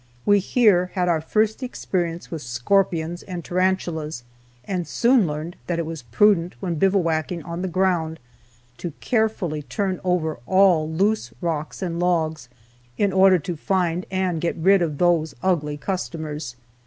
We here had our first experience with scorpions and tarantulas, and soon learned that it was prudent, when bivouacking on the ground, to carefully turn over all loose rocks and logs in order to find and get rid of those ugly customers.